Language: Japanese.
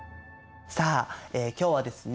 さあ今日はですね